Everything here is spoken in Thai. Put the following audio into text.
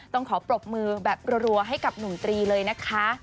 ต้องขอปรบมือแบบรัวให้กับหนุ่มตรีเลยนะคะ